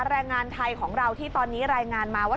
แรงงานไทยของเราที่ตอนนี้รายงานมาว่า